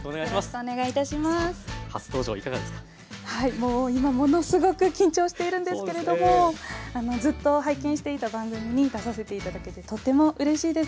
もう今ものすごく緊張しているんですけれどもずっと拝見していた番組に出させて頂けてとてもうれしいです。